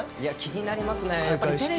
気になりますね。